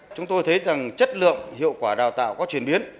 chúng tôi thấy rằng chất lượng hiệu quả đào tạo có chuyển biến